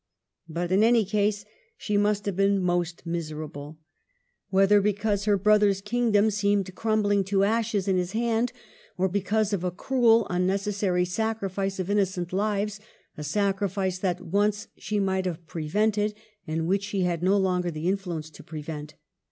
But in any case she must have been most miserable, — whether because her brother's kingdom seemed crumbling to ashes in his hand, or because of a cruel unnecessary sacrifice of innocent lives, a sacrifice that once she might have prevented, and which she had no longer the influence to prevent.